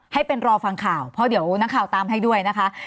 ให้เป็นรอฟังข่าวเพราะเดี๋ยวนักข่าวตามให้ด้วยนะคะ